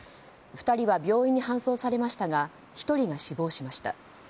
２人は病院に搬送されましたが１人が死亡しました。